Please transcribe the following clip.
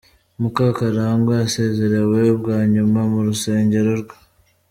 Mukakarangwa yasezereweho bwa nyuma mu rusengero.